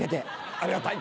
ありがたい！